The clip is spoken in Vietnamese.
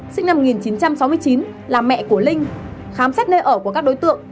sinh năm một nghìn chín trăm sáu mươi chín là mẹ của linh khám xét nơi ở của các đối tượng